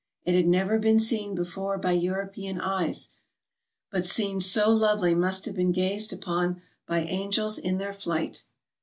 It had never been seen before by European eyes ; but scenes so lovely must have been gazed upon by angels in their flight.